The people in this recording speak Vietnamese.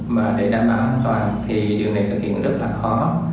mà để đảm bảo an toàn thì điều này thực hiện rất là khó